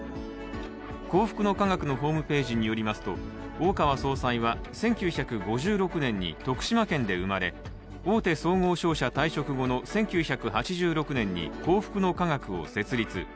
幸福の科学のホームページによりますと大川総裁は１９５６年に徳島県で生まれ大手総合商社退職後の１９８６年に幸福の科学を設立。